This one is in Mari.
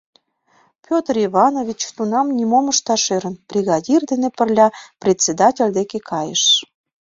Петр Иванович тунам нимом ышташ ӧрын, бригадир дене пырля председатель деке кайыш.